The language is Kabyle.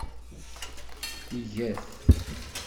Iga-t.